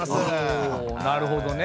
おなるほどね。